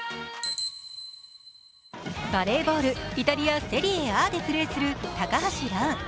バレーボールイタリア・セリエＡでプレーする高橋藍。